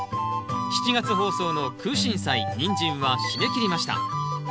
７月放送の「クウシンサイ」「ニンジン」は締め切りました。